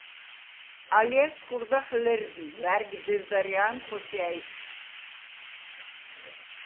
ალჲა̈რს ხურდახ ლერდი, ვა̈რგ დევდარია̄ნ, ხოსია̈ჲ.